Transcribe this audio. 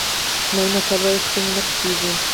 چینایي متل وایي کړنې نه پټېږي.